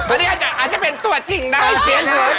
อันนี้อาจจะเป็นตัวจริงนะเสียงเขิน